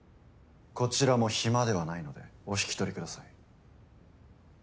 こちらも暇ではないのでお引き取りください。